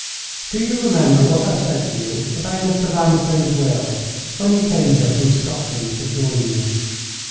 Do you remember what I said to you about Mr. Vanstone's will when you came here from Scotland to join me?"